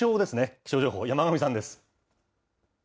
気象情報、山神さんです。